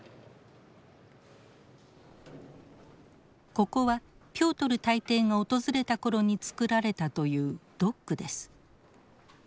ここはピョートル大帝が訪れた頃につくられたというドックです。